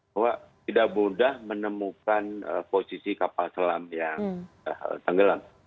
bahwa tidak mudah menemukan posisi kapal selam yang tenggelam